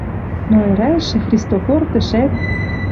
Но ӹрӓлшӹ Христофор тӹшӓк